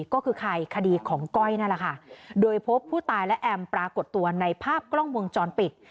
ก็คือใครคดีของก้อยนั่นแหละค่ะโดยพบผู้ตายและแอมปรากฏตัวในภาพกล้องวงจรปิด